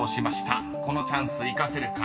［このチャンス生かせるか。